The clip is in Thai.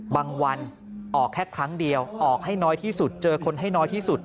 วันออกแค่ครั้งเดียวออกให้น้อยที่สุดเจอคนให้น้อยที่สุด